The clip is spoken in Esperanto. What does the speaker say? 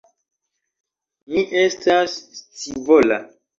Mi estas scivola.